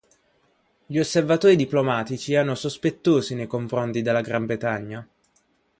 Gli osservatori diplomatici erano sospettosi nei confronti della Gran Bretagna.